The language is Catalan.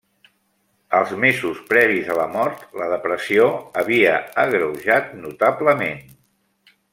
Els mesos previs a la mort, la depressió havia agreujat notablement.